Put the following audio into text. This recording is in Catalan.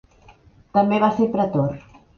També va ser pretor.